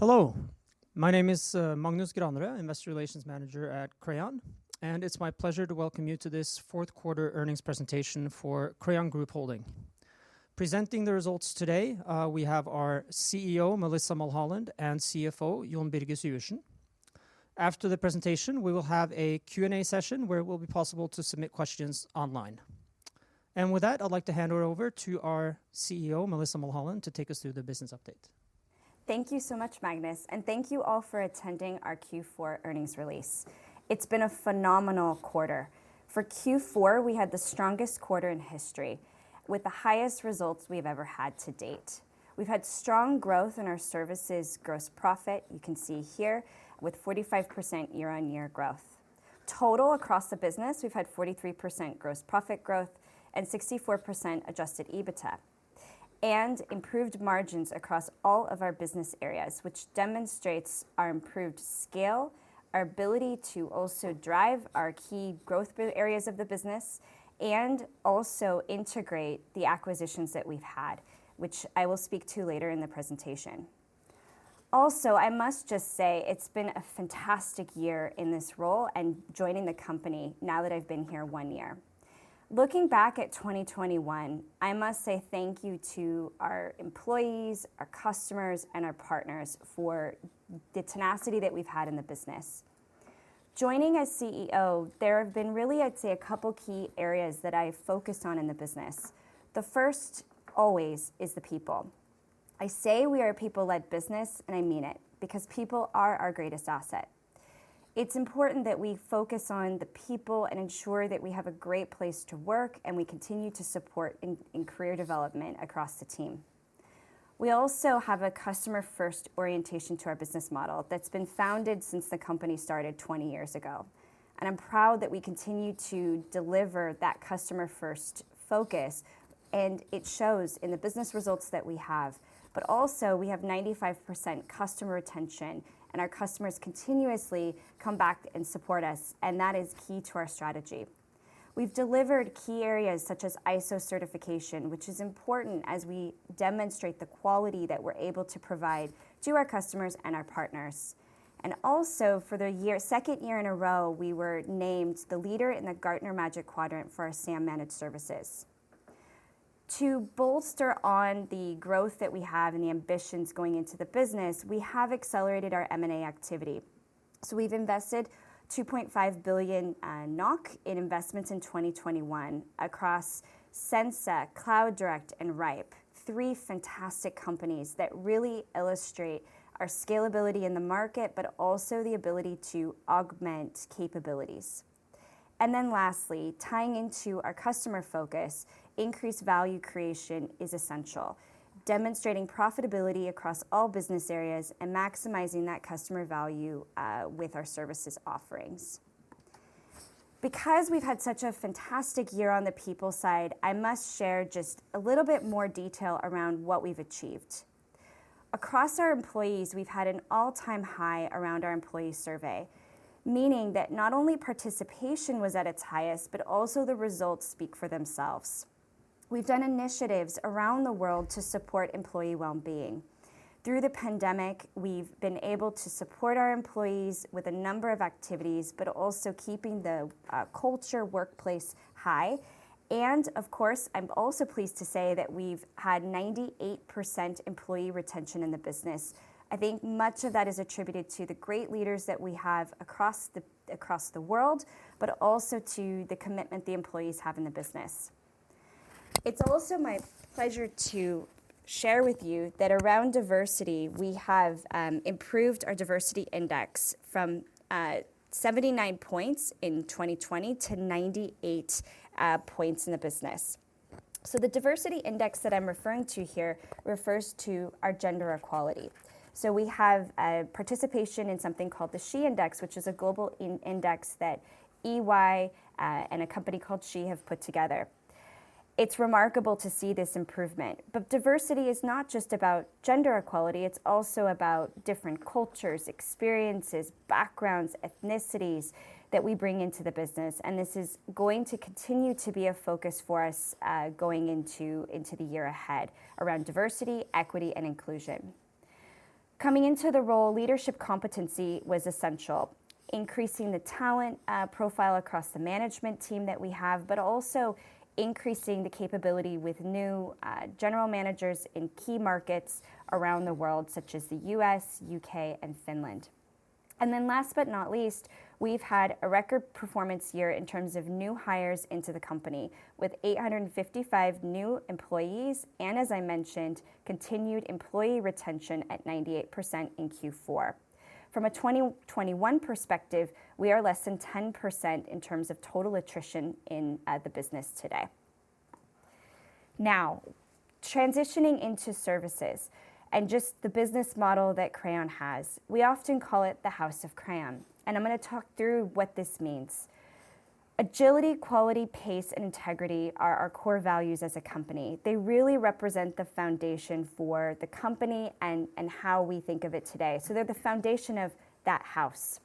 Hello. My name is Magnus Granerød, Investor Relations Manager at Crayon, and it's my pleasure to welcome you to this fourth quarter earnings presentation for Crayon Group Holding. Presenting the results today, we have our CEO, Melissa Mulholland, and CFO, Jon Birger Syvertsen. After the presentation, we will have a Q&A session where it will be possible to submit questions online. With that, I'd like to hand it over to our CEO, Melissa Mulholland, to take us through the business update. Thank you so much, Magnus, and thank you all for attending our Q4 earnings release. It's been a phenomenal quarter. For Q4, we had the strongest quarter in history with the highest results we've ever had to date. We've had strong growth in our services gross profit, you can see here, with 45% year-on-year growth. Total across the business, we've had 43% gross profit growth and 64% adjusted EBITDA. Improved margins across all of our business areas, which demonstrates our improved scale, our ability to also drive our key growth areas of the business, and also integrate the acquisitions that we've had, which I will speak to later in the presentation. Also, I must just say it's been a fantastic year in this role and joining the company now that I've been here one year. Looking back at 2021, I must say thank you to our employees, our customers, and our partners for the tenacity that we've had in the business. Joining as CEO, there have been really, I'd say, a couple key areas that I focused on in the business. The first always is the people. I say we are a people-led business, and I mean it, because people are our greatest asset. It's important that we focus on the people and ensure that we have a great place to work, and we continue to support in career development across the team. We also have a customer-first orientation to our business model that's been founded since the company started 20 years ago. I'm proud that we continue to deliver that s, and it shows in the business results that we have. we have 95% customer retention, and our customers continuously come back and support us, and that is key to our strategy. We've delivered key areas such as ISO certification, which is important as we demonstrate the quality that we're able to provide to our customers and our partners. And also for the year, second year in a row, we were named the leader in the Gartner Magic Quadrant for our SAM Managed Services. To bolster on the growth that we have and the ambitions going into the business, we have accelerated our M&A activity. We've invested 2.5 billion NOK in investments in 2021 across Sensa, Cloud Direct, and rhipe, three fantastic companies that really illustrate our scalability in the market, but also the ability to augment capabilities. Lastly, tying into our customer focus, increased value creation is essential, demonstrating profitability across all business areas and maximizing that customer value with our services offerings. Because we've had such a fantastic year on the people side, I must share just a little bit more detail around what we've achieved. Across our employees, we've had an all-time high around our employee survey, meaning that not only participation was at its highest, but also the results speak for themselves. We've done initiatives around the world to support employee well-being. Through the pandemic, we've been able to support our employees with a number of activities, but also keeping the workplace culture high. Of course, I'm also pleased to say that we've had 98% employee retention in the business. I think much of that is attributed to the great leaders that we have across the world, but also to the commitment the employees have in the business. It's also my pleasure to share with you that around diversity, we have improved our diversity index from 79 points in 2020 to 98 points in the business. The diversity index that I'm referring to here refers to our gender equality. We have a participation in something called the SHE Index, which is a global index that EY and a company called SHE have put together. It's remarkable to see this improvement, but diversity is not just about gender equality, it's also about different cultures, experiences, backgrounds, ethnicities that we bring into the business, and this is going to continue to be a focus for us, going into the year ahead around diversity, equity, and inclusion. Coming into the role, leadership competency was essential. Increasing the talent profile across the management team that we have, but also increasing the capability with new general managers in key markets around the world, such as the U.S., U.K., and Finland. Then last but not least, we've had a record performance year in terms of new hires into the company with 855 new employees and, as I mentioned, continued employee retention at 98% in Q4. From a 2021 perspective, we are less than 10% in terms of total attrition in the business today. Now, transitioning into services and just the business model that Crayon has, we often call it the House of Crayon, and I'm gonna talk through what this means. Agility, quality, pace, and integrity are our core values as a company. They really represent the foundation for the company and how we think of it today. They're the foundation of that house.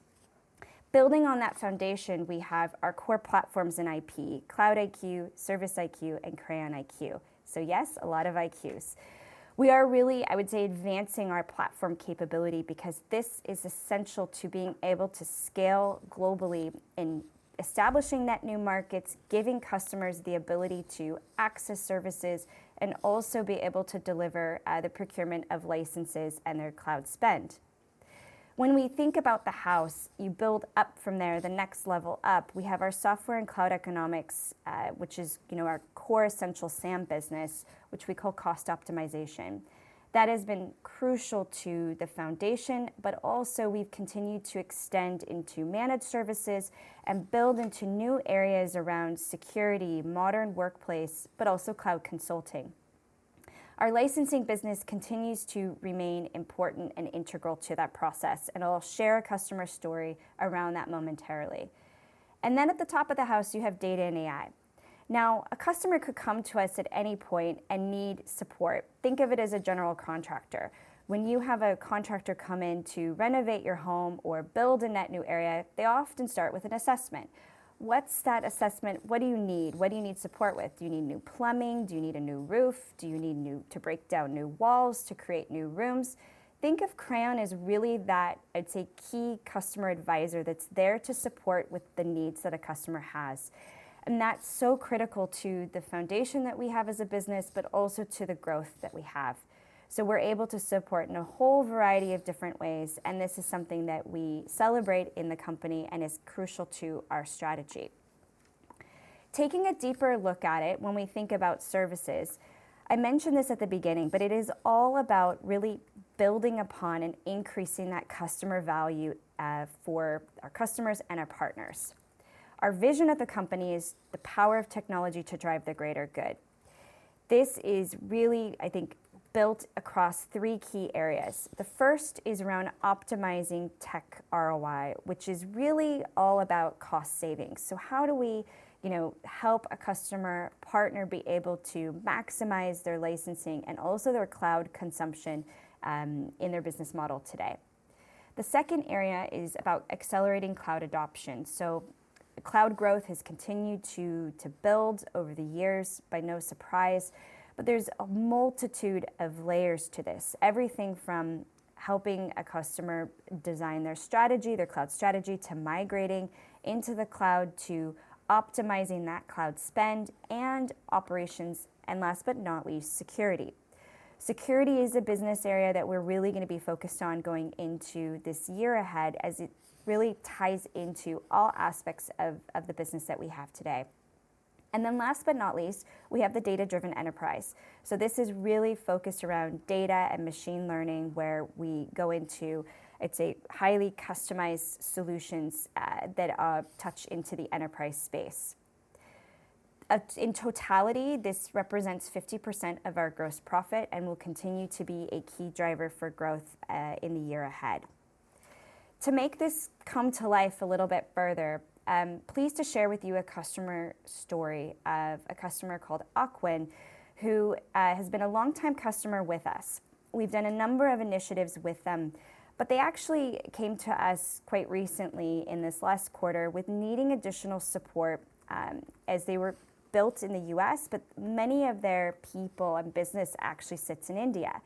Building on that foundation, we have our core platforms in IP, Cloud-iQ, Service-iQ, and CrayonIQ. Yes, a lot of IQs. We are really, I would say, advancing our platform capability because this is essential to being able to scale globally in establishing net new markets, giving customers the ability to access services, and also be able to deliver the procurement of licenses and their cloud spend. When we think about the house, you build up from there. The next level up, we have our software and cloud economics, which is, you know, our core essential SAM business, which we call cost optimization. That has been crucial to the foundation, but also we've continued to extend into managed services and build into new areas around security, modern workplace, but also cloud consulting. Our licensing business continues to remain important and integral to that process, and I'll share a customer story around that momentarily. At the top of the house, you have Data and AI. Now, a customer could come to us at any point and need support. Think of it as a general contractor. When you have a contractor come in to renovate your home or build a net new area, they often start with an assessment. What's that assessment? What do you need? What do you need support with? Do you need new plumbing? Do you need a new roof? Do you need to break down new walls to create new rooms? Think of Crayon as really that, I'd say, key customer advisor that's there to support with the needs that a customer has, and that's so critical to the foundation that we have as a business, but also to the growth that we have. We're able to support in a whole variety of different ways, and this is something that we celebrate in the company and is crucial to our strategy. Taking a deeper look at it, when we think about services, I mentioned this at the beginning, but it is all about really building upon and increasing that customer value for our customers and our partners. Our vision of the company is the power of technology to drive the greater good. This is really, I think, built across three key areas. The first is around optimizing tech ROI, which is really all about cost savings. How do we, you know, help a customer partner be able to maximize their licensing and also their cloud consumption in their business model today? The second area is about accelerating cloud adoption. Cloud growth has continued to build over the years by no surprise, but there's a multitude of layers to this. Everything from helping a customer design their strategy, their cloud strategy, to migrating into the cloud, to optimizing that cloud spend and operations, and last but not least, security. Security is a business area that we're really gonna be focused on going into this year ahead as it really ties into all aspects of the business that we have today. Last but not least, we have the data-driven enterprise. This is really focused around data and machine learning where we go into, I'd say, highly customized solutions that touch into the enterprise space. In totality, this represents 50% of our gross profit and will continue to be a key driver for growth in the year ahead. To make this come to life a little bit further, I'm pleased to share with you a customer story of a customer called Ocwen, who has been a long-time customer with us. We've done a number of initiatives with them, but they actually came to us quite recently in this last quarter with needing additional support, as they were built in the U.S., but many of their people and business actually sits in India.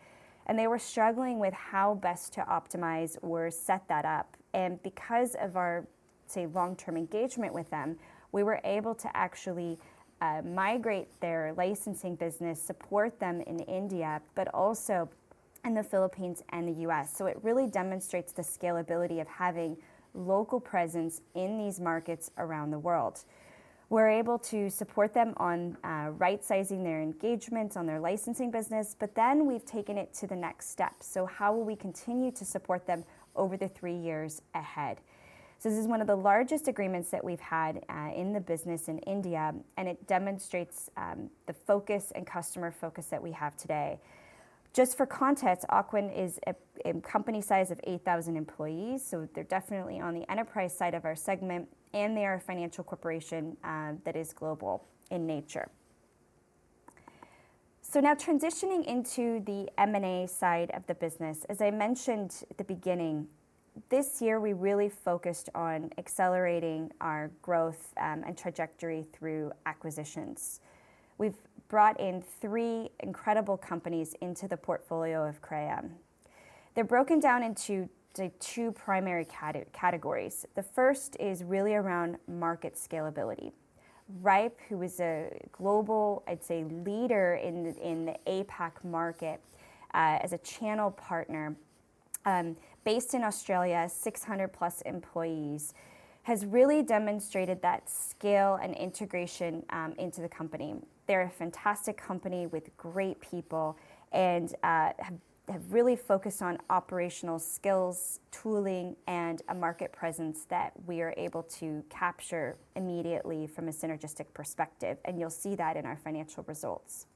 They were struggling with how best to optimize or set that up. Because of our, say, long-term engagement with them, we were able to actually migrate their licensing business, support them in India, but also in the Philippines and the U.S. It really demonstrates the scalability of having local presence in these markets around the world. We're able to support them on right-sizing their engagement on their licensing business, but then we've taken it to the next step. How will we continue to support them over the three years ahead? This is one of the largest agreements that we've had in the business in India, and it demonstrates the focus and customer focus that we have today. Just for context, Ocwen is a company size of 8,000 employees, so they're definitely on the enterprise side of our segment, and they are a financial corporation that is global in nature. Now transitioning into the M&A side of the business. As I mentioned at the beginning, this year, we really focused on accelerating our growth and trajectory through acquisitions. We've brought in three incredible companies into the portfolio of Crayon. They're broken down into the two primary categories. The first is really around market scalability. rhipe, who is a global, I'd say, leader in the APAC market, as a channel partner, based in Australia, 600+ employees, has really demonstrated that scale and integration into the company. They're a fantastic company with great people and have really focused on operational skills, tooling, and a market presence that we are able to capture immediately from a synergistic perspective, and you'll see that in our financial results.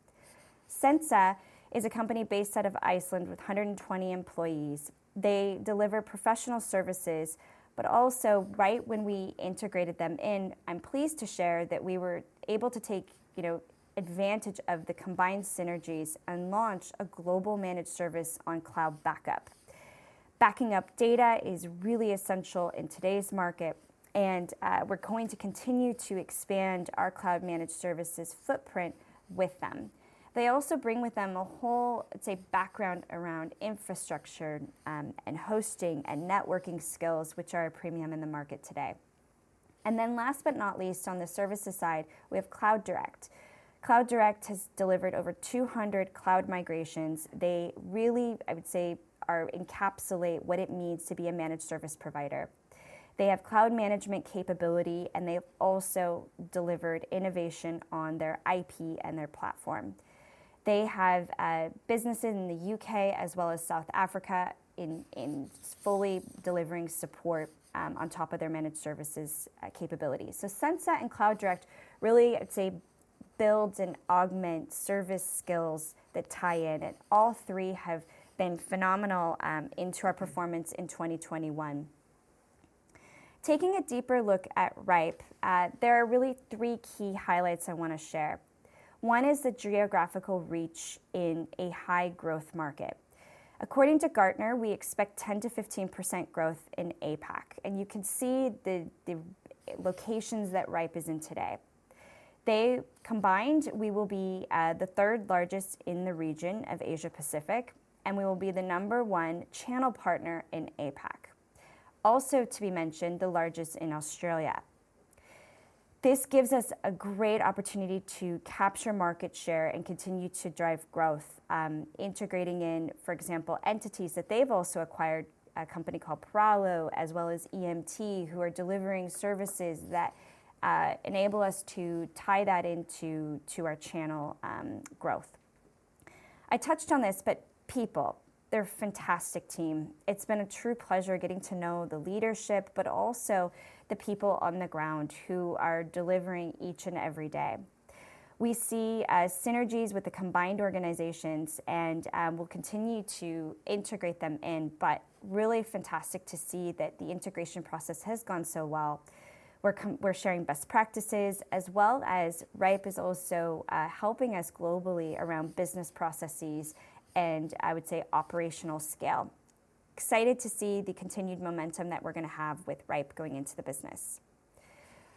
Sensa is a company based out of Iceland with 120 employees. They deliver professional services, but also right when we integrated them in, I'm pleased to share that we were able to take, you know, advantage of the combined synergies and launch a global managed service on cloud backup. Backing up data is really essential in today's market, and we're going to continue to expand our cloud-managed services footprint with them. They also bring with them a whole, let's say, background around infrastructure, and hosting and networking skills which are a premium in the market today. Last but not least, on the services side, we have Cloud Direct. Cloud Direct has delivered over 200 cloud migrations. They really, I would say, encapsulate what it means to be a managed service provider. They have cloud management capability, and they've also delivered innovation on their IP and their platform. They have businesses in the U.K. as well as South Africa in fully delivering support on top of their managed services capabilities. Sensa and Cloud Direct really, I'd say, builds and augments service skills that tie in, and all three have been phenomenal into our performance in 2021. Taking a deeper look at rhipe, there are really three key highlights I wanna share. One is the geographical reach in a high-growth market. According to Gartner, we expect 10%-15% growth in APAC, and you can see the locations that rhipe is in today. Combined, we will be the third largest in the region of Asia-Pacific, and we will be the number one channel partner in APAC. Also to be mentioned, the largest in Australia. This gives us a great opportunity to capture market share and continue to drive growth, integrating in, for example, entities that they've also acquired, a company called Parallo, as well as emt, who are delivering services that enable us to tie that into our channel growth. I touched on this, but people, they're a fantastic team. It's been a true pleasure getting to know the leadership, but also the people on the ground who are delivering each and every day. We see synergies with the combined organizations and we'll continue to integrate them in, but really fantastic to see that the integration process has gone so well. We're sharing best practices, as well as rhipe is also helping us globally around business processes and I would say operational scale. Excited to see the continued momentum that we're gonna have with rhipe going into the business.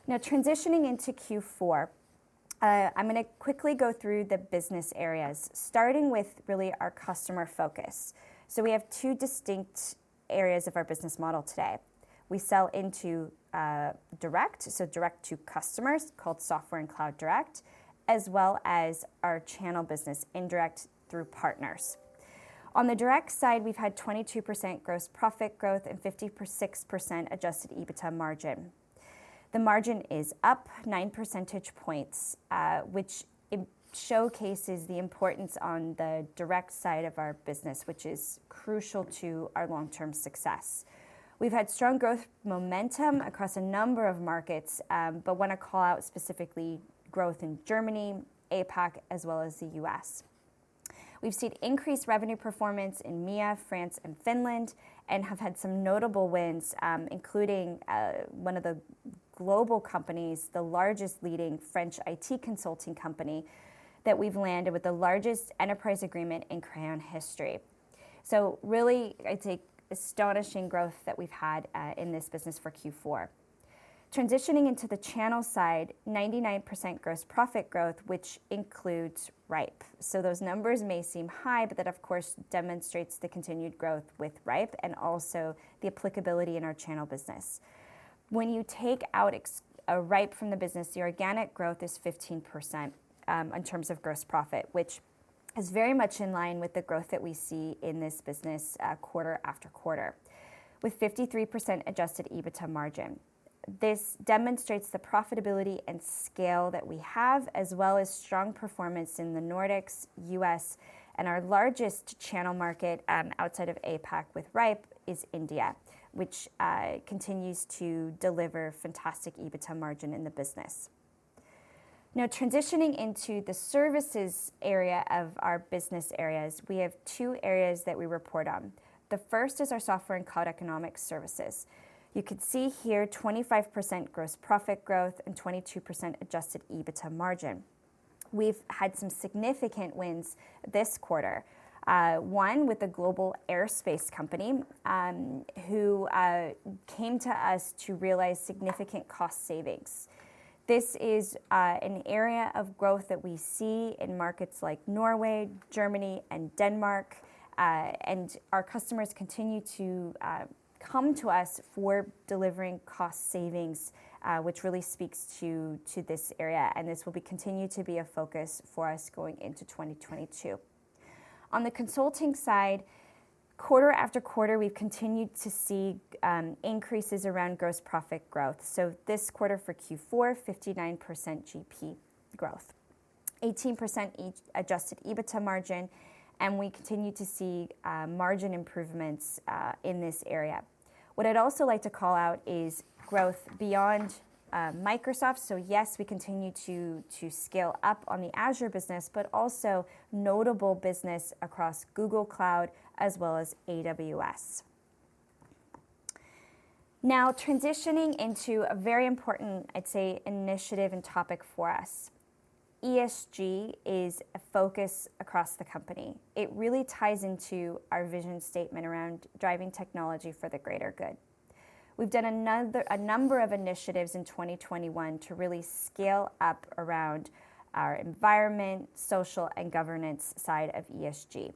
Now transitioning into Q4, I'm gonna quickly go through the business areas, starting with really our customer focus. We have two distinct areas of our business model today. We sell into direct, so direct to customers called Software and Cloud Direct, as well as our channel business, indirect through partners. On the direct side, we've had 22% gross profit growth and 56% adjusted EBITDA margin. The margin is up nine percentage points, which showcases the importance on the direct side of our business, which is crucial to our long-term success. We've had strong growth momentum across a number of markets, but wanna call out specifically growth in Germany, APAC, as well as the U.S. We've seen increased revenue performance in MEA, France, and Finland and have had some notable wins, including one of the global companies, the largest leading French IT consulting company that we've landed with the largest enterprise agreement in Crayon history. Really, it's astonishing growth that we've had in this business for Q4. Transitioning into the channel side, 99% gross profit growth, which includes rhipe. Those numbers may seem high, but that of course demonstrates the continued growth with rhipe and also the scalability in our channel business. When you take out rhipe from the business, the organic growth is 15% in terms of gross profit, which is very much in line with the growth that we see in this business quarter-after-quarter, with 53% adjusted EBITDA margin. This demonstrates the profitability and scale that we have, as well as strong performance in the Nordics, U.S., and our largest channel market outside of APAC with rhipe is India, which continues to deliver fantastic EBITDA margin in the business. Now transitioning into the services area of our business areas, we have two areas that we report on. The first is our Software and Cloud Channel services. You can see here 25% gross profit growth and 22% adjusted EBITDA margin. We've had some significant wins this quarter, one with a global aerospace company, who came to us to realize significant cost savings. This is an area of growth that we see in markets like Norway, Germany, and Denmark, and our customers continue to come to us for delivering cost savings, which really speaks to this area, and this will continue to be a focus for us going into 2022. On the consulting side, quarter-after-quarter, we've continued to see increases around gross profit growth. This quarter for Q4, 59% GP growth. 18% adjusted EBITDA margin, and we continue to see margin improvements in this area. What I'd also like to call out is growth beyond Microsoft. Yes, we continue to scale up on the Azure business, but also notable business across Google Cloud as well as AWS. Now transitioning into a very important, I'd say, initiative and topic for us. ESG is a focus across the company. It really ties into our vision statement around driving technology for the greater good. We've done a number of initiatives in 2021 to really scale up around our environment, social, and governance side of ESG.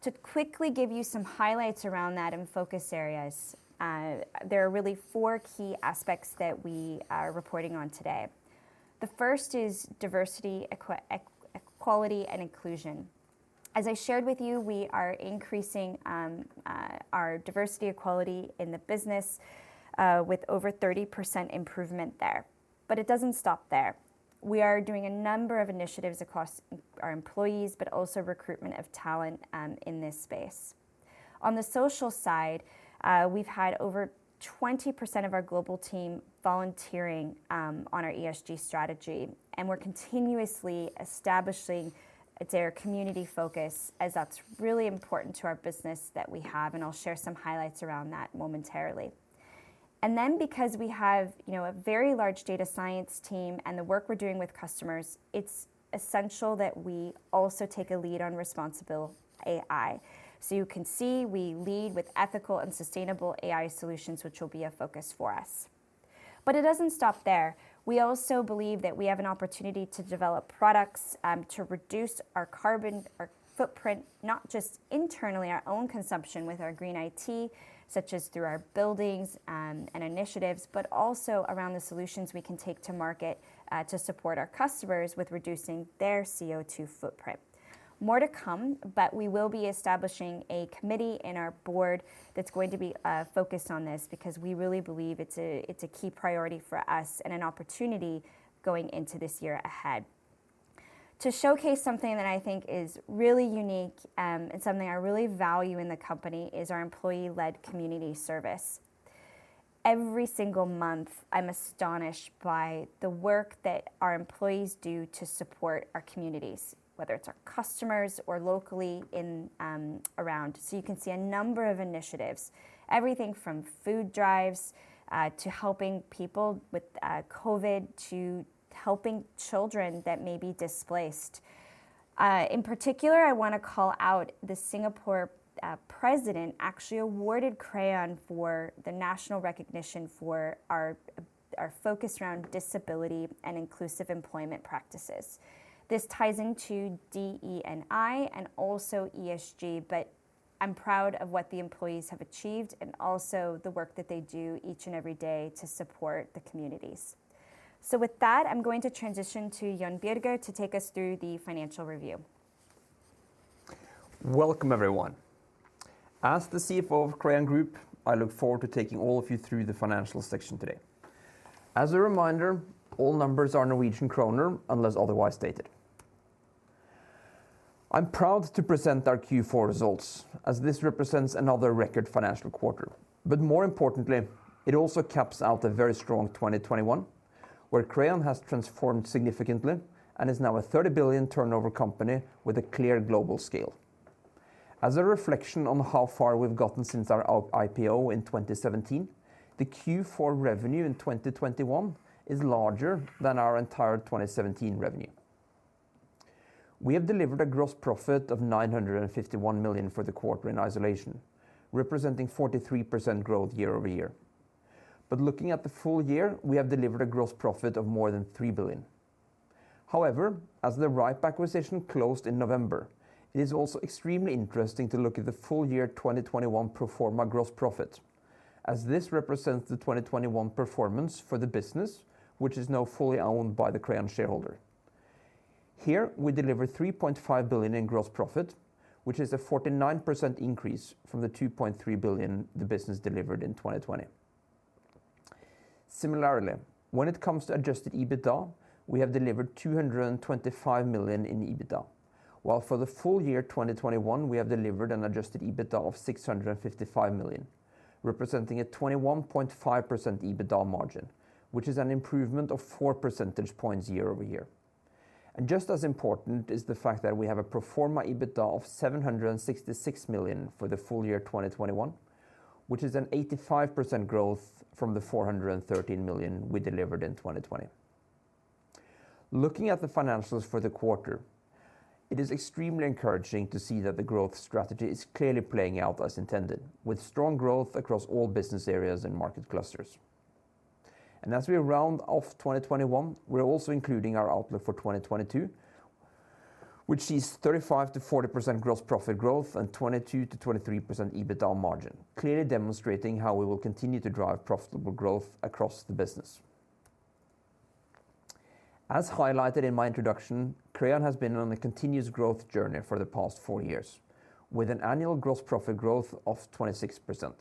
To quickly give you some highlights around that and focus areas, there are really four key aspects that we are reporting on today. The first is diversity, equality, and inclusion. As I shared with you, we are increasing our diversity equality in the business with over 30% improvement there. But it doesn't stop there. We are doing a number of initiatives across our employees, but also recruitment of talent in this space. On the social side, we've had over 20% of our global team volunteering on our ESG strategy, and we're continuously establishing I'd say our community focus as that's really important to our business that we have, and I'll share some highlights around that momentarily. Because we have, you know, a very large data science team and the work we're doing with customers, it's essential that we also take a lead on responsible AI. You can see we lead with ethical and sustainable AI solutions which will be a focus for us. It doesn't stop there. We also believe that we have an opportunity to develop products to reduce our carbon, our footprint, not just internally our own consumption with our green IT, such as through our buildings and initiatives, but also around the solutions we can take to market to support our customers with reducing their CO2 footprint. More to come, but we will be establishing a committee in our board that's going to be focused on this because we really believe it's a key priority for us and an opportunity going into this year ahead. To showcase something that I think is really unique and something I really value in the company is our employee-led community service. Every single month, I'm astonished by the work that our employees do to support our communities, whether it's our customers or locally in around. You can see a number of initiatives, everything from food drives to helping people with COVID to helping children that may be displaced. In particular, I wanna call out the Singapore President actually awarded Crayon for the national recognition for our focus around disability and inclusive employment practices. This ties into DE&I and also ESG, but I'm proud of what the employees have achieved and also the work that they do each and every day to support the communities. With that, I'm going to transition to Jon Birger to take us through the financial review. Welcome, everyone. As the CFO of Crayon Group, I look forward to taking all of you through the financial section today. As a reminder, all numbers are Norwegian kroner unless otherwise stated. I'm proud to present our Q4 results as this represents another record financial quarter. But more importantly, it also caps out a very strong 2021, where Crayon has transformed significantly and is now a 30 billion turnover company with a clear global scale. As a reflection on how far we've gotten since our IPO in 2017, the Q4 revenue in 2021 is larger than our entire 2017 revenue. We have delivered a gross profit of 951 million for the quarter in isolation, representing 43% growth year-over-year. But looking at the full year, we have delivered a gross profit of more than 3 billion. However, as the rhipe acquisition closed in November, it is also extremely interesting to look at the full year 2021 pro forma gross profit, as this represents the 2021 performance for the business, which is now fully owned by the Crayon shareholder. Here we deliver NOK 3.5 billion in gross profit, which is a 49% increase from the NOK 2.3 billion the business delivered in 2020. Similarly, when it comes to adjusted EBITDA, we have delivered 225 million in EBITDA. While for the full year 2021, we have delivered an adjusted EBITDA of 655 million, representing a 21.5% EBITDA margin, which is an improvement of 4 percentage points year-over-year. Just as important is the fact that we have a pro forma EBITDA of 766 million for the full year 2021, which is an 85% growth from the 413 million we delivered in 2020. Looking at the financials for the quarter, it is extremely encouraging to see that the growth strategy is clearly playing out as intended with strong growth across all business areas and market clusters. As we round off 2021, we're also including our outlook for 2022, which sees 35%-40% gross profit growth and 22%-23% EBITDA margin, clearly demonstrating how we will continue to drive profitable growth across the business. As highlighted in my introduction, Crayon has been on a continuous growth journey for the past four years with an annual gross profit growth of 26%.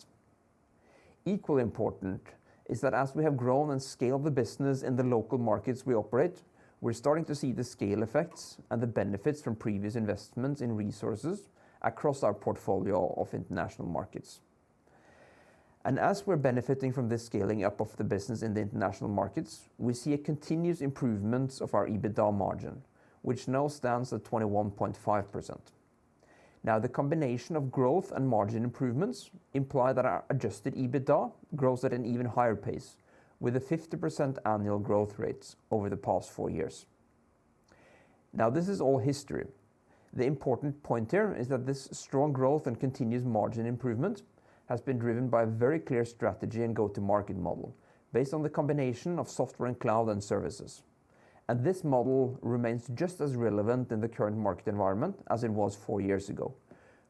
Equally important is that as we have grown and scaled the business in the local markets we operate, we're starting to see the scale effects and the benefits from previous investments in resources across our portfolio of international markets. As we're benefiting from the scaling up of the business in the international markets, we see a continuous improvement of our EBITDA margin, which now stands at 21.5%. Now, the combination of growth and margin improvements imply that our adjusted EBITDA grows at an even higher pace with a 50% annual growth rate over the past four years. Now, this is all history. The important point here is that this strong growth and continuous margin improvement has been driven by a very clear strategy and go-to-market model based on the combination of software and cloud and services. This model remains just as relevant in the current market environment as it was four years ago,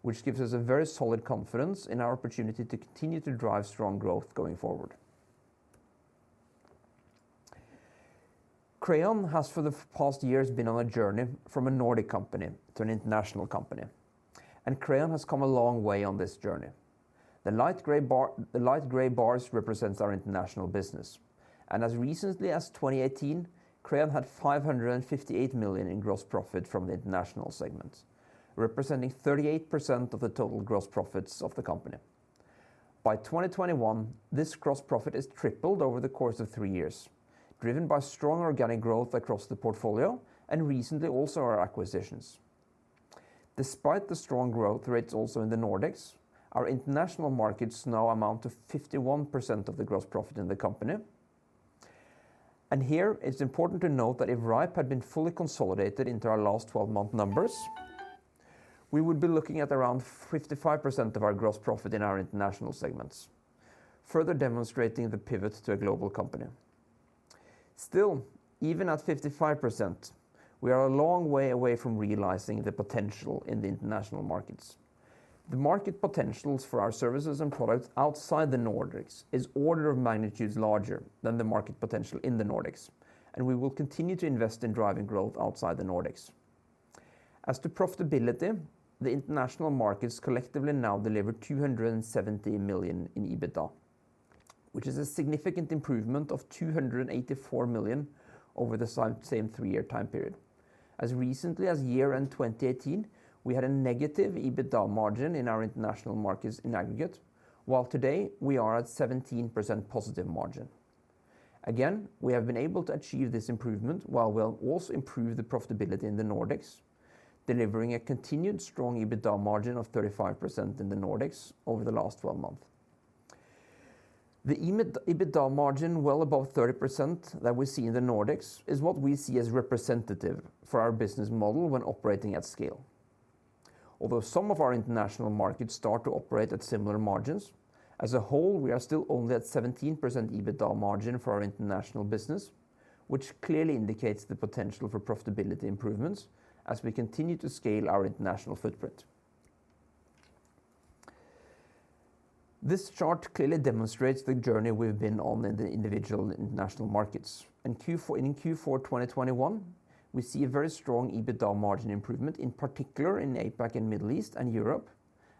which gives us a very solid confidence in our opportunity to continue to drive strong growth going forward. Crayon has for the past years been on a journey from a Nordic company to an international company, and Crayon has come a long way on this journey. The light gray bars represents our international business, and as recently as 2018, Crayon had 558 million in gross profit from the international segment, representing 38% of the total gross profits of the company. By 2021, this gross profit is tripled over the course of three years, driven by strong organic growth across the portfolio and recently also our acquisitions. Despite the strong growth rates also in the Nordics, our international markets now amount to 51% of the gross profit in the company. Here it's important to note that if rhipe had been fully consolidated into our last 12-month numbers, we would be looking at around 55% of our gross profit in our international segments, further demonstrating the pivot to a global company. Still, even at 55%, we are a long way away from realizing the potential in the international markets. The market potentials for our services and products outside the Nordics is order of magnitudes larger than the market potential in the Nordics, and we will continue to invest in driving growth outside the Nordics. As to profitability, the international markets collectively now deliver 270 million in EBITDA, which is a significant improvement of 284 million over the same three-year time period. As recently as year-end 2018, we had a negative EBITDA margin in our international markets in aggregate, while today we are at 17% positive margin. Again, we have been able to achieve this improvement while we'll also improve the profitability in the Nordics, delivering a continued strong EBITDA margin of 35% in the Nordics over the last 12 months. The EBITDA margin well above 30% that we see in the Nordics is what we see as representative for our business model when operating at scale. Although some of our international markets start to operate at similar margins, as a whole, we are still only at 17% EBITDA margin for our international business, which clearly indicates the potential for profitability improvements as we continue to scale our international footprint. This chart clearly demonstrates the journey we've been on in the individual international markets. In Q4 2021, we see a very strong EBITDA margin improvement, in particular in APAC, and Middle East, and Europe,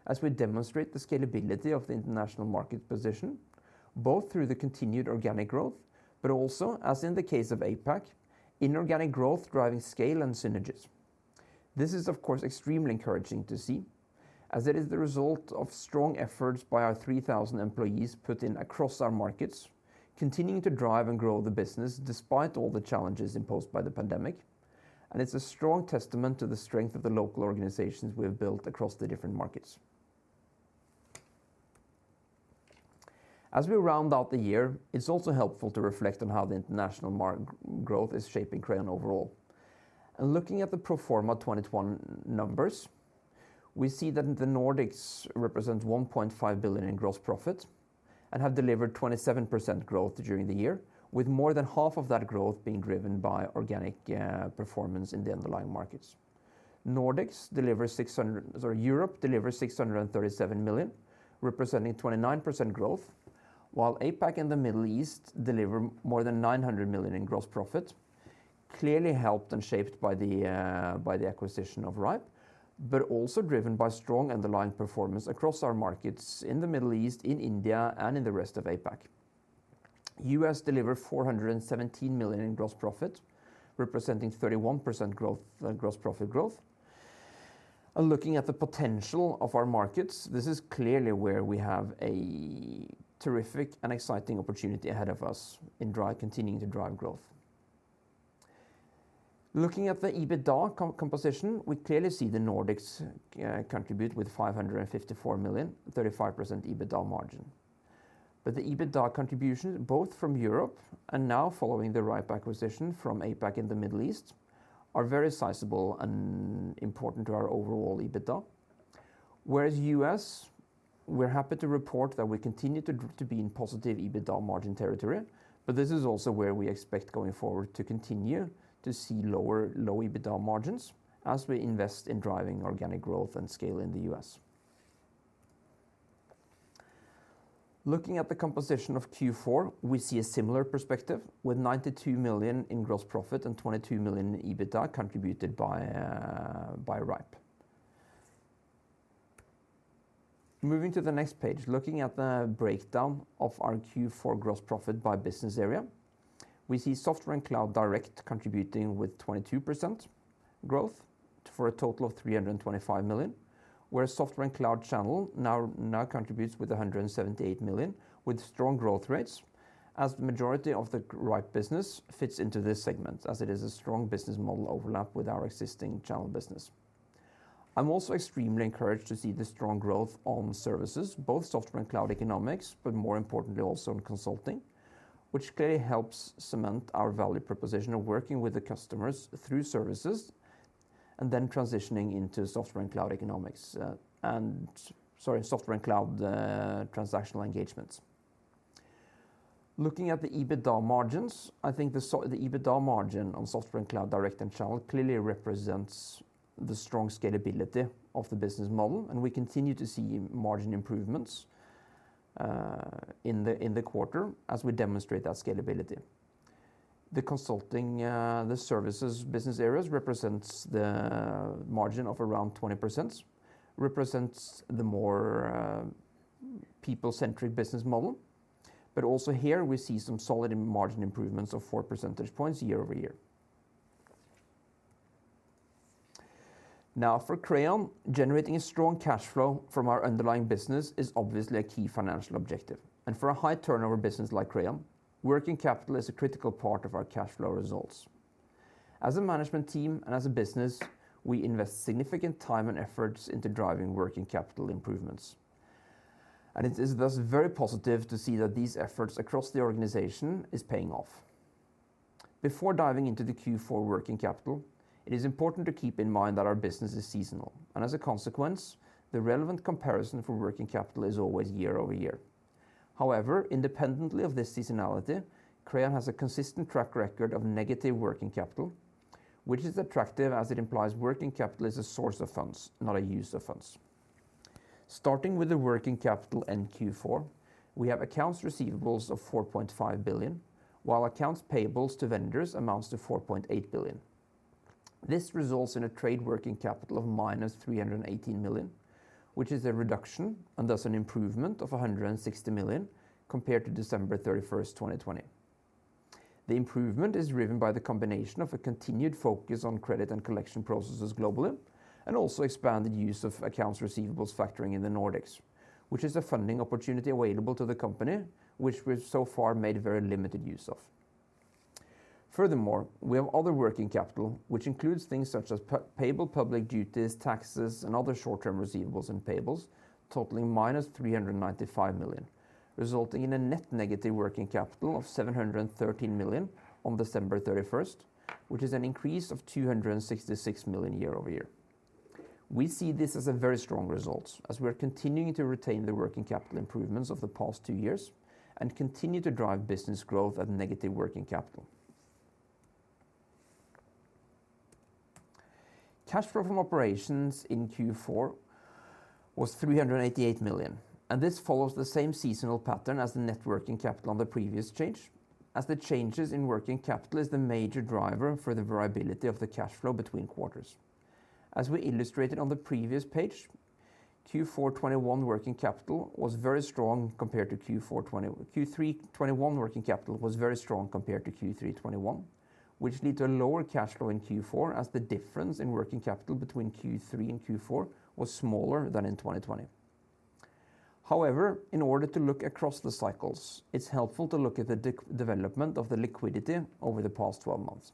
as we demonstrate the scalability of the international market position, both through the continued organic growth, but also, as in the case of APAC, inorganic growth driving scale and synergies. This is of course extremely encouraging to see, as it is the result of strong efforts by our 3,000 employees put in across our markets, continuing to drive and grow the business despite all the challenges imposed by the pandemic. It's a strong testament to the strength of the local organizations we have built across the different markets. As we round out the year, it's also helpful to reflect on how the international growth is shaping Crayon overall. Looking at the pro forma 2021 numbers, we see that the Nordics represent 1.5 billion in gross profit and have delivered 27% growth during the year, with more than half of that growth being driven by organic performance in the underlying markets. Europe delivers 637 million, representing 29% growth, while APAC and the Middle East deliver more than 900 million in gross profit, clearly helped and shaped by the acquisition of rhipe, but also driven by strong underlying performance across our markets in the Middle East, in India, and in the rest of APAC. U.S. deliver 417 million in gross profit, representing 31% growth, gross profit growth. Looking at the potential of our markets, this is clearly where we have a terrific and exciting opportunity ahead of us in continuing to drive growth. Looking at the EBITDA composition, we clearly see the Nordics contribute with 554 million, 35% EBITDA margin. The EBITDA contribution, both from Europe and now following the rhipe acquisition from APAC and the Middle East, are very sizable and important to our overall EBITDA. Whereas U.S., we're happy to report that we continue to be in positive EBITDA margin territory, but this is also where we expect going forward to continue to see low EBITDA margins as we invest in driving organic growth and scale in the U.S. Looking at the composition of Q4, we see a similar perspective with 92 million in gross profit and 22 million in EBITDA contributed by rhipe. Moving to the next page, looking at the breakdown of our Q4 gross profit by business area, we see Software and Cloud Direct contributing with 22% growth for a total of 325 million, whereas Software and Cloud Channel now contributes with 178 million, with strong growth rates, as the majority of the rhipe business fits into this segment, as it is a strong business model overlap with our existing channel business. I'm also extremely encouraged to see the strong growth on services, both software and cloud economics, but more importantly also in consulting, which clearly helps cement our value proposition of working with the customers through services and then transitioning into software and cloud transactional engagements. Looking at the EBITDA margins, I think the EBITDA margin on Software and Cloud Direct and Channel clearly represents the strong scalability of the business model, and we continue to see margin improvements in the quarter as we demonstrate that scalability. The consulting, the services business areas represents the margin of around 20%, represents the more people-centric business model. But also here we see some solid margin improvements of four percentage points year-over-year. Now for Crayon, generating a strong cash flow from our underlying business is obviously a key financial objective. For a high turnover business like Crayon, working capital is a critical part of our cash flow results. As a management team and as a business, we invest significant time and efforts into driving working capital improvements. It is thus very positive to see that these efforts across the organization is paying off. Before diving into the Q4 working capital, it is important to keep in mind that our business is seasonal, and as a consequence, the relevant comparison for working capital is always year-over-year. However, independently of this seasonality, Crayon has a consistent track record of negative working capital, which is attractive as it implies working capital is a source of funds, not a use of funds. Starting with the working capital in Q4, we have accounts receivables of 4.5 billion, while accounts payables to vendors amounts to 4.8 billion. This results in a trade working capital of -318 million, which is a reduction, and thus an improvement of 160 million compared to December 31st, 2020. The improvement is driven by the combination of a continued focus on credit and collection processes globally, and also expanded use of accounts receivables factoring in the Nordics, which is a funding opportunity available to the company, which we've so far made very limited use of. Furthermore, we have other working capital, which includes things such as payables, public duties, taxes, and other short-term receivables and payables totaling -395 million, resulting in a net negative working capital of 713 million on December 31st, which is an increase of 266 million year-over-year. We see this as a very strong result, as we are continuing to retain the working capital improvements of the past two years and continue to drive business growth at negative working capital. Cash flow from operations in Q4 was 388 million, and this follows the same seasonal pattern as the net working capital on the previous change, as the changes in working capital is the major driver for the variability of the cash flow between quarters. As we illustrated on the previous page, Q4 2021 working capital was very strong compared to Q4 2020. Q3 2021 working capital was very strong compared to Q3 2020, which lead to a lower cash flow in Q4 as the difference in working capital between Q3 and Q4 was smaller than in 2020. However, in order to look across the cycles, it's helpful to look at the development of the liquidity over the past 12 months.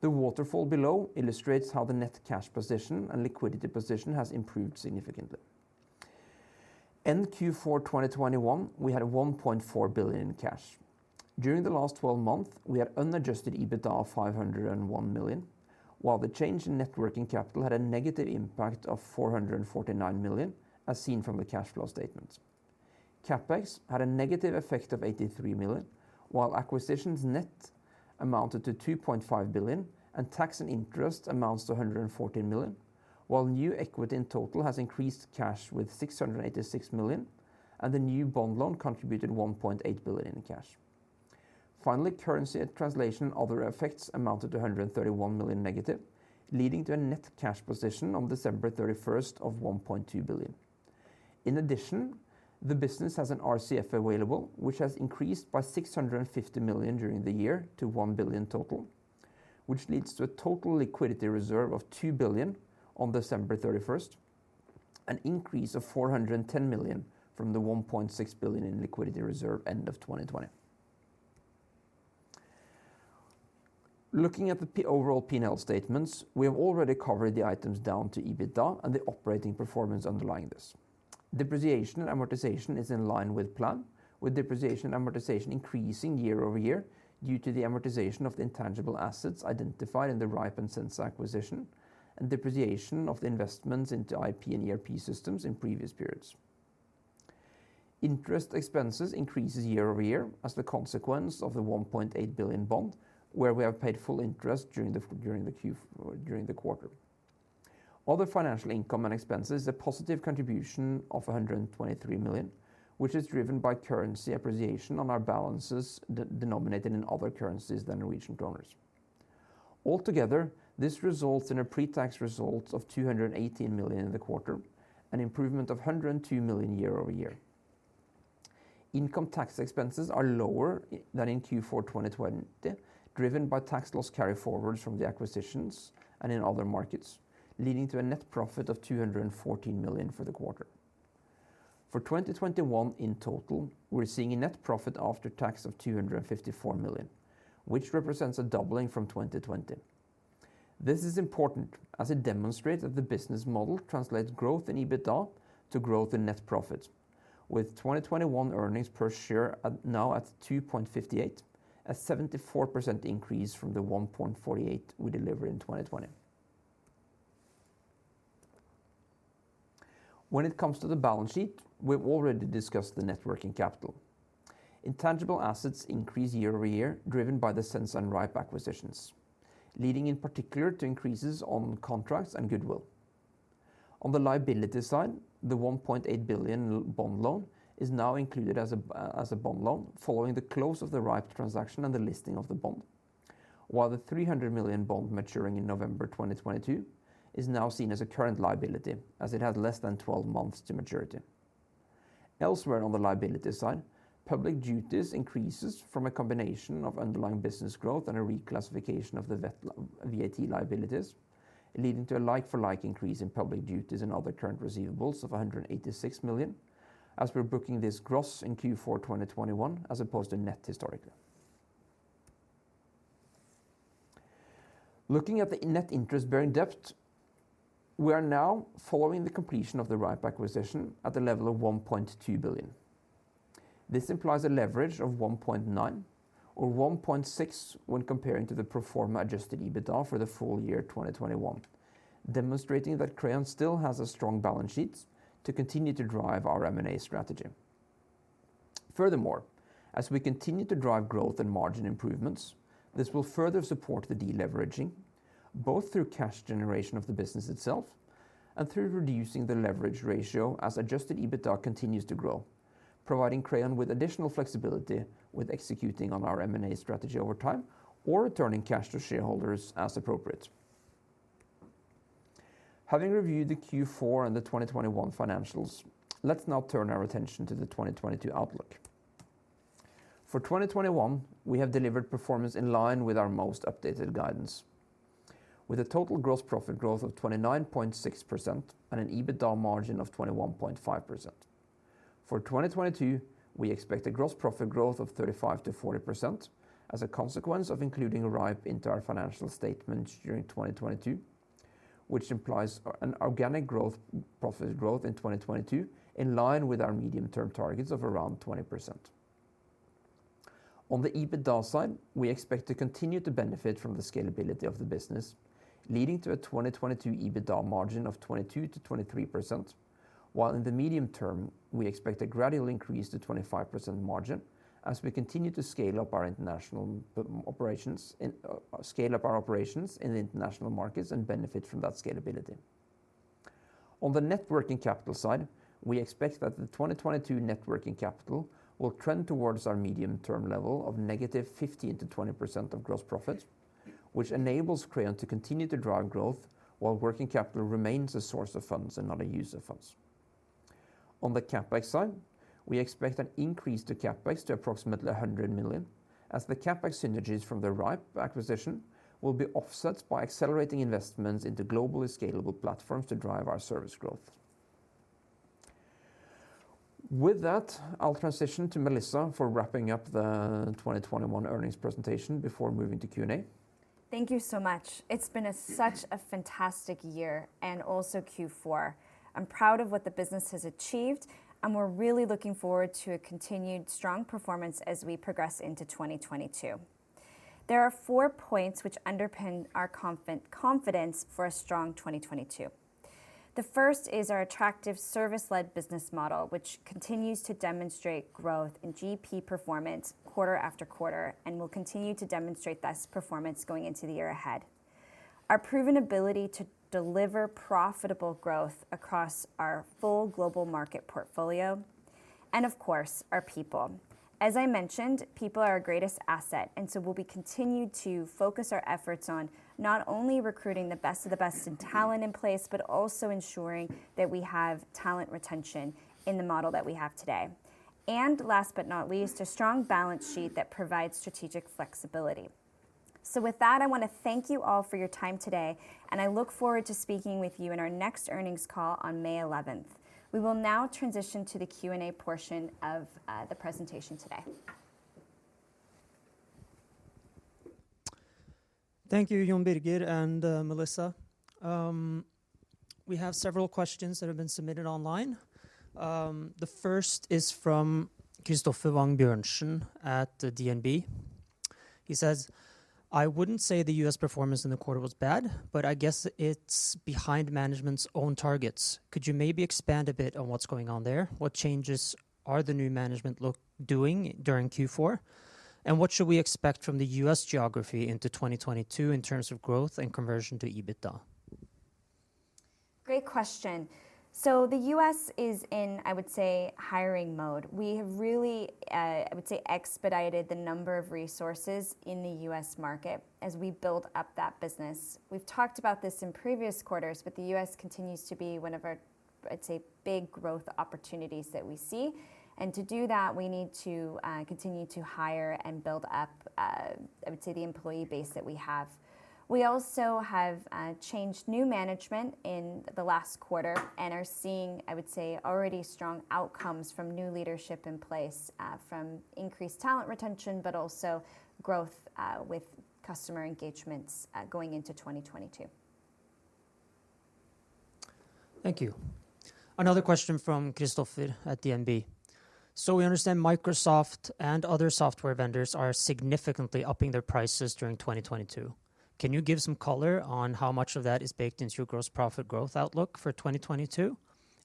The waterfall below illustrates how the net cash position and liquidity position has improved significantly. In Q4 2021, we had 1.4 billion in cash. During the last 12 months, we had unadjusted EBITDA of 501 million, while the change in net working capital had a negative impact of 449 million, as seen from the cash flow statement. CapEx had a negative effect of 83 million, while acquisitions net amounted to 2.5 billion and tax and interest amounts to 114 million. While new equity in total has increased cash with 686 million and the new bond loan contributed 1.8 billion in cash. Finally, currency translation and other effects amounted to 131 million negative, leading to a net cash position on December 31st of 1.2 billion. In addition, the business has an RCF available, which has increased by 650 million during the year to 1 billion total, which leads to a total liquidity reserve of 2 billion on December 31st, an increase of 410 million from the 1.6 billion in liquidity reserve end of 2020. Looking at the overall P&L statements, we have already covered the items down to EBITDA and the operating performance underlying this. Depreciation and amortization is in line with plan, with depreciation and amortization increasing year-over-year due to the amortization of the intangible assets identified in the rhipe and Sensa acquisition, and depreciation of the investments into IP and ERP systems in previous periods. Interest expenses increases year-over-year as the consequence of the 1.8 billion bond where we have paid full interest during the quarter. Other financial income and expenses, a positive contribution of 123 million, which is driven by currency appreciation on our balances denominated in other currencies than Norwegian kroner. Altogether, this results in a pre-tax result of 218 million in the quarter, an improvement of 102 million year-over-year. Income tax expenses are lower than in Q4 2020, driven by tax loss carryforwards from the acquisitions and in other markets, leading to a net profit of 214 million for the quarter. For 2021 in total, we're seeing a net profit after tax of 254 million, which represents a doubling from 2020. This is important as it demonstrates that the business model translates growth in EBITDA to growth in net profits, with 2021 earnings per share at 2.58, a 74% increase from the 1.48 we delivered in 2020. When it comes to the balance sheet, we've already discussed the net working capital. Intangible assets increase year-over-year, driven by the Sensa and rhipe acquisitions, leading in particular to increases on contracts and goodwill. On the liability side, the 1.8 billion bond loan is now included as a bond loan following the close of the rhipe transaction and the listing of the bond. While the 300 million bond maturing in November 2022 is now seen as a current liability, as it has less than 12 months to maturity. Elsewhere on the liability side, public duties increase from a combination of underlying business growth and a reclassification of the VAT liabilities, leading to a like-for-like increase in public duties and other current receivables of 186 million, as we're booking this gross in Q4 2021 as opposed to net historically. Looking at the net interest-bearing debt, we are now, following the completion of the rhipe acquisition, at the level of 1.2 billion. This implies a leverage of 1.9 or 1.6 when comparing to the pro forma adjusted EBITDA for the full year 2021, demonstrating that Crayon still has a strong balance sheet to continue to drive our M&A strategy. Furthermore, as we continue to drive growth and margin improvements, this will further support the deleveraging, both through cash generation of the business itself and through reducing the leverage ratio as adjusted EBITDA continues to grow, providing Crayon with additional flexibility with executing on our M&A strategy over time or returning cash to shareholders as appropriate. Having reviewed the Q4 and the 2021 financials, let's now turn our attention to the 2022 outlook. For 2021, we have delivered performance in line with our most updated guidance, with a total gross profit growth of 29.6% and an EBITDA margin of 21.5%. For 2022, we expect a gross profit growth of 35%-40% as a consequence of including rhipe into our financial statements during 2022, which implies an organic profit growth in 2022 in line with our medium-term targets of around 20%. On the EBITDA side, we expect to continue to benefit from the scalability of the business, leading to a 2022 EBITDA margin of 22%-23%, while in the medium term, we expect a gradual increase to 25% margin as we continue to scale up our operations in the international markets and benefit from that scalability. On the net working capital side, we expect that the 2022 net working capital will trend towards our medium-term level of negative 15%-20% of gross profits, which enables Crayon to continue to drive growth while working capital remains a source of funds and not a use of funds. On the CapEx side, we expect an increase to CapEx to approximately 100 million, as the CapEx synergies from the rhipe acquisition will be offset by accelerating investments into globally scalable platforms to drive our service growth. With that, I'll transition to Melissa for wrapping up the 2021 earnings presentation before moving to Q&A. Thank you so much. It's been such a fantastic year and also Q4. I'm proud of what the business has achieved, and we're really looking forward to a continued strong performance as we progress into 2022. There are four points which underpin our confidence for a strong 2022. The first is our attractive service-led business model, which continues to demonstrate growth in GP performance quarter-after-quarter and will continue to demonstrate this performance going into the year ahead. Our proven ability to deliver profitable growth across our full global market portfolio and, of course, our people. As I mentioned, people are our greatest asset, and so we'll continue to focus our efforts on not only recruiting the best of the best talent in place but also ensuring that we have talent retention in the model that we have today. Last but not least, a strong balance sheet that provides strategic flexibility. With that, I wanna thank you all for your time today, and I look forward to speaking with you in our next earnings call on May eleventh. We will now transition to the Q&A portion of the presentation today. Thank you, Jon Birger and Melissa. We have several questions that have been submitted online. The first is from Christoffer Wang Bjørnsen at DNB. He says: I wouldn't say the U.S. performance in the quarter was bad, but I guess it's behind management's own targets. Could you maybe expand a bit on what's going on there? What changes are the new management looking to do during Q4? And what should we expect from the U.S. geography into 2022 in terms of growth and conversion to EBITDA? Great question. The U.S. is in, I would say, hiring mode. We have really, I would say, expedited the number of resources in the U.S. market as we build up that business. We've talked about this in previous quarters, but the U.S. continues to be one of our, I'd say, big growth opportunities that we see. To do that, we need to continue to hire and build up, I would say, the employee base that we have. We also have changed new management in the last quarter and are seeing, I would say, already strong outcomes from new leadership in place, from increased talent retention, but also growth, with customer engagements, going into 2022. Thank you. Another question from Christoffer at DNB. We understand Microsoft and other software vendors are significantly upping their prices during 2022. Can you give some color on how much of that is baked into your gross profit growth outlook for 2022?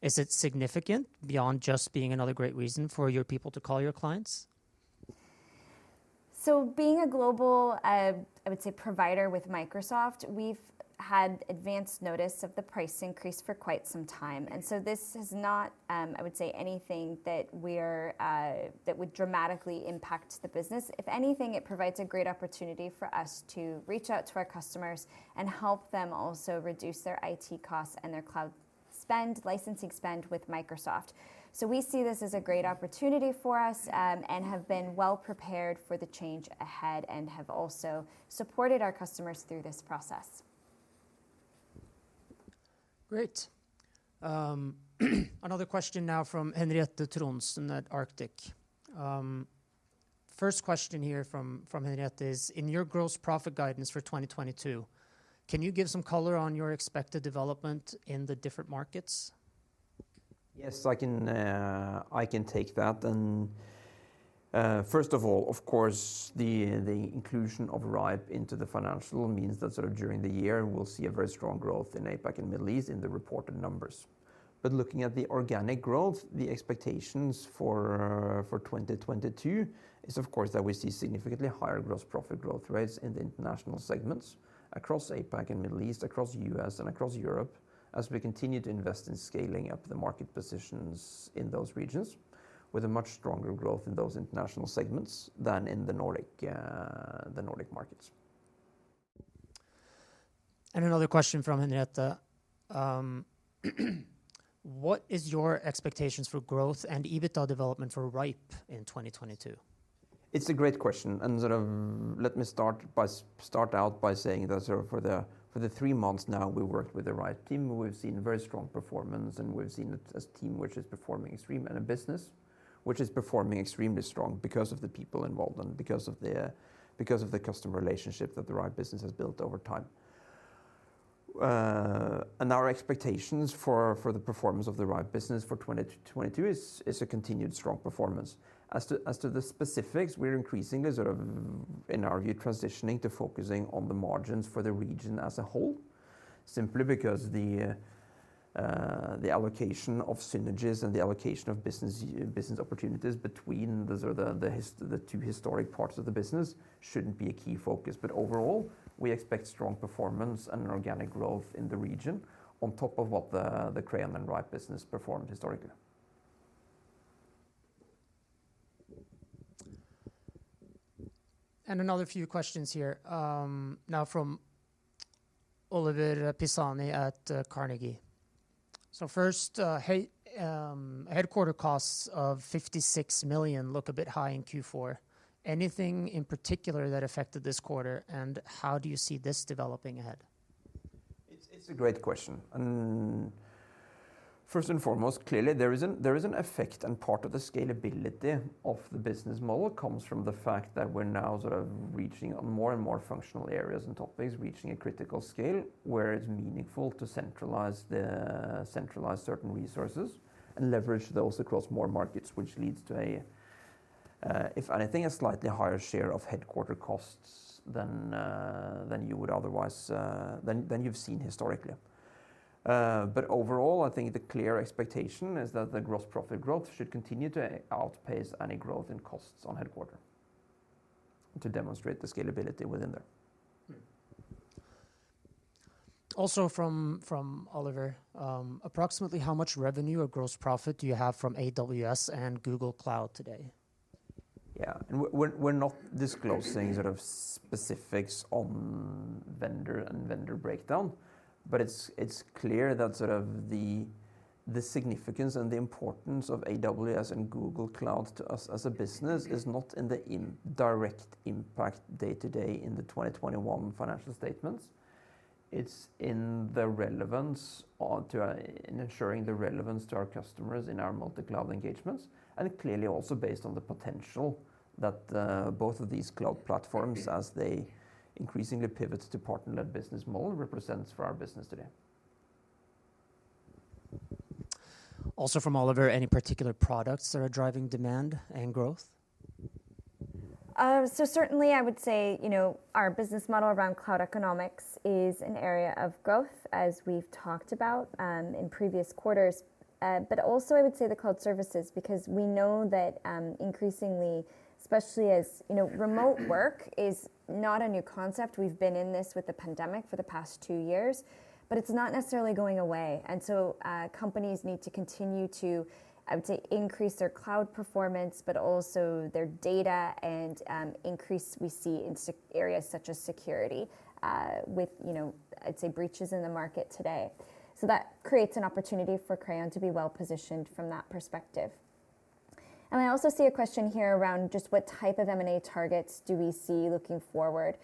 Is it significant beyond just being another great reason for your people to call your clients? Being a global, I would say, provider with Microsoft, we've had advanced notice of the price increase for quite some time. This is not, I would say, anything that would dramatically impact the business. If anything, it provides a great opportunity for us to reach out to our customers and help them also reduce their IT costs and their cloud spend, licensing spend with Microsoft. We see this as a great opportunity for us, and have been well-prepared for the change ahead and have also supported our customers through this process. Great. Another question now from Henriette Trondsen at Arctic. First question here from Henriette is: In your gross profit guidance for 2022, can you give some color on your expected development in the different markets? Yes, I can take that. First of all, of course, the inclusion of rhipe into the financials means that sort of during the year we'll see a very strong growth in APAC and Middle East in the reported numbers. Looking at the organic growth, the expectations for 2022 is of course that we see significantly higher gross profit growth rates in the international segments across APAC and Middle East, across U.S., and across Europe as we continue to invest in scaling up the market positions in those regions with a much stronger growth in those international segments than in the Nordic markets. Another question from Henriette. What is your expectations for growth and EBITDA development for rhipe in 2022? It's a great question. Sort of let me start out by saying that sort of for the three months now we worked with the rhipe team, we've seen very strong performance, and we've seen it as a team which is performing extremely in a business which is performing extremely strong because of the people involved and because of the customer relationship that the rhipe business has built over time. Our expectations for the performance of the rhipe business for 2022 is a continued strong performance. As to the specifics, we're increasingly sort of in our view, transitioning to focusing on the margins for the region as a whole, simply because the allocation of synergies and the allocation of business opportunities between the two historic parts of the business shouldn't be a key focus. Overall, we expect strong performance and organic growth in the region on top of what the Crayon and rhipe business performed historically. Another few questions here, now from Oliver Pisani at Carnegie. First, headquarters costs of 56 million look a bit high in Q4. Anything in particular that affected this quarter, and how do you see this developing ahead? It's a great question. First and foremost, clearly there is an effect, and part of the scalability of the business model comes from the fact that we're now sort of reaching on more and more functional areas and topics, reaching a critical scale where it's meaningful to centralize certain resources and leverage those across more markets, which leads to a slightly higher share of headquarters costs than you would otherwise than you've seen historically. Overall, I think the clear expectation is that the gross profit growth should continue to outpace any growth in costs on headquarters to demonstrate the scalability within there. Also from Oliver, approximately how much revenue or gross profit do you have from AWS and Google Cloud today? Yeah. We're not disclosing sort of specifics on vendor breakdown, but it's clear that sort of the significance and the importance of AWS and Google Cloud to us as a business is not in the indirect impact day-to-day in the 2021 financial statements. It's in the relevance to, in ensuring the relevance to our customers in our multi-cloud engagements, and clearly also based on the potential that both of these cloud platforms as they increasingly pivot to partner-led business model represents for our business today. Also from Oliver, any particular products that are driving demand and growth? Certainly I would say, you know, our business model around cloud economics is an area of growth, as we've talked about in previous quarters. But also I would say the cloud services, because we know that increasingly, especially as, you know, remote work is not a new concept. We've been in this with the pandemic for the past two years, but it's not necessarily going away. Companies need to continue to, I would say, increase their cloud performance, but also their data and increase we see in areas such as security, with, you know, I'd say breaches in the market today. That creates an opportunity for Crayon to be well-positioned from that perspective. I also see a question here around just what type of M&A targets do we see looking forward.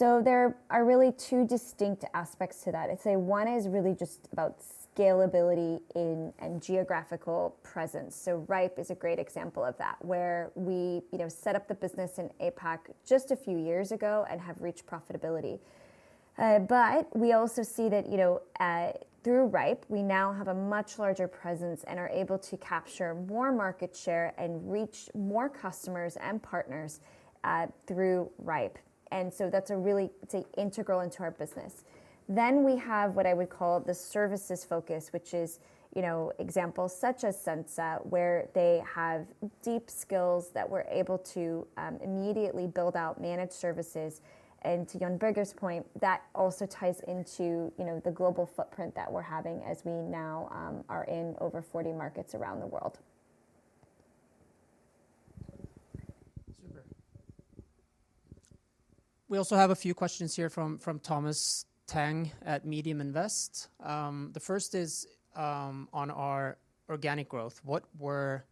There are really two distinct aspects to that. I'd say one is really just about scalability and geographical presence. rhipe is a great example of that, where we, you know, set up the business in APAC just a few years ago and have reached profitability. But we also see that, you know, through rhipe, we now have a much larger presence and are able to capture more market share and reach more customers and partners through rhipe. That's really integral to our business. We have what I would call the services focus, which is, you know, examples such as Sensa, where they have deep skills that we're able to immediately build out managed services. To Jon Birger's point, that also ties into, you know, the global footprint that we're having as we now are in over 40 markets around the world. Super. We also have a few questions here from Thomas Tange at Fondsfinans. The first is on our organic growth. What were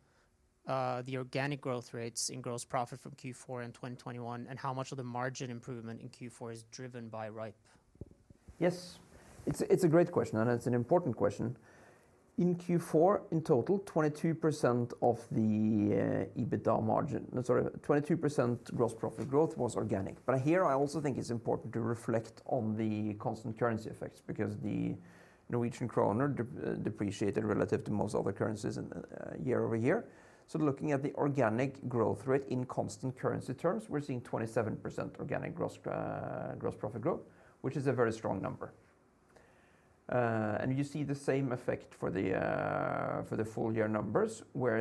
the organic growth rates in gross profit from Q4 in 2021, and how much of the margin improvement in Q4 is driven by rhipe? Yes. It's a great question, and it's an important question. In Q4, in total, 22% gross profit growth was organic. Here I also think it's important to reflect on the constant currency effects because the Norwegian krone depreciated relative to most other currencies in year-over-year. Looking at the organic growth rate in constant currency terms, we're seeing 27% organic gross profit growth, which is a very strong number. You see the same effect for the full year numbers, where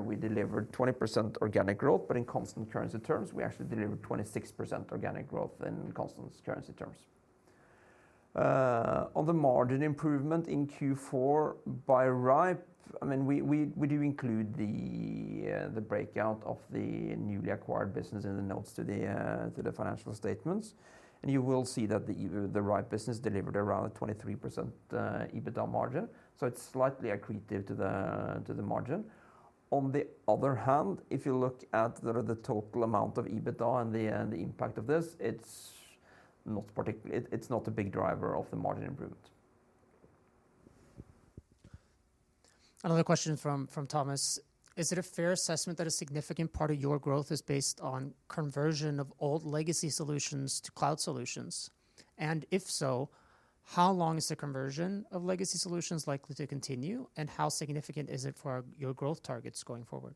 we delivered 20% organic growth, but in constant currency terms, we actually delivered 26% organic growth in constant currency terms. On the margin improvement in Q4 by rhipe, I mean, we do include the breakout of the newly acquired business in the notes to the financial statements, and you will see that the rhipe business delivered around a 23% EBITDA margin, so it's slightly accretive to the margin. On the other hand, if you look at the total amount of EBITDA and the impact of this, it's not a big driver of the margin improvement. Another question from Thomas. Is it a fair assessment that a significant part of your growth is based on conversion of old legacy solutions to cloud solutions? If so, how long is the conversion of legacy solutions likely to continue, and how significant is it for your growth targets going forward?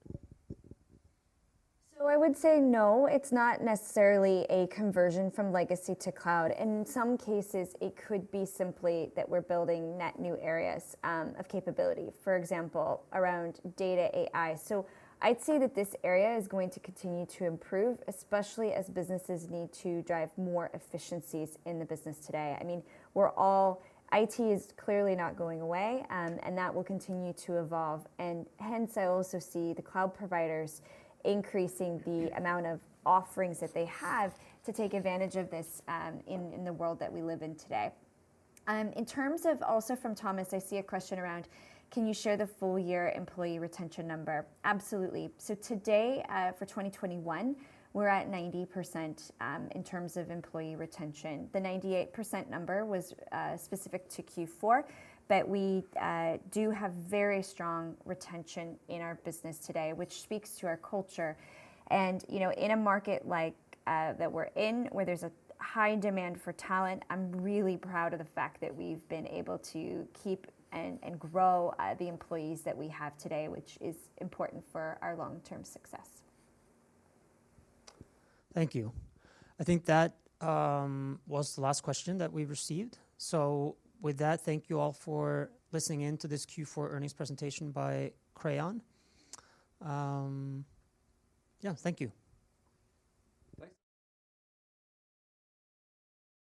I would say no, it's not necessarily a conversion from legacy to cloud. In some cases, it could be simply that we're building net new areas of capability, for example, around Data and AI. I'd say that this area is going to continue to improve, especially as businesses need to drive more efficiencies in the business today. I mean, IT is clearly not going away, and that will continue to evolve. Hence, I also see the cloud providers increasing the amount of offerings that they have to take advantage of this, in the world that we live in today. In terms of also from Thomas, I see a question around can you share the full year employee retention number? Absolutely. Today, for 2021, we're at 90% in terms of employee retention. The 98% number was specific to Q4, but we do have very strong retention in our business today, which speaks to our culture. You know, in a market like that we're in, where there's a high demand for talent, I'm really proud of the fact that we've been able to keep and grow the employees that we have today, which is important for our long-term success. Thank you. I think that was the last question that we received. With that, thank you all for listening in to this Q4 earnings presentation by Crayon. Yeah, thank you. Thanks.